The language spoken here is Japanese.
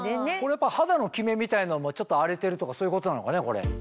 肌のキメみたいなのもちょっと荒れてるとかそういうことなのかねこれ。